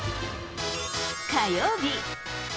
火曜日。